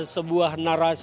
sebuah narasi kreativitas